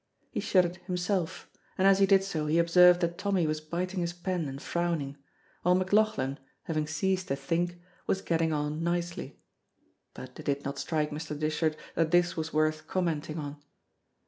He shut it himself, and as he did so he observed that Tommy was biting his pen and frowning, while McLauchlan, having ceased to think, was getting on nicely. But it did not strike Mr. Dishart that this was worth commenting on.